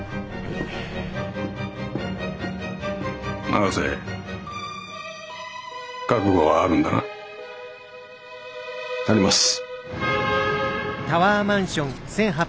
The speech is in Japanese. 永瀬覚悟はあるんだな。あります。